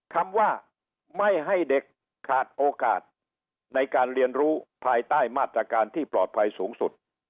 ขาดโอกาสในการเรียนรู้ภายใต้มาตรการที่ปลอดภัยสูงสุด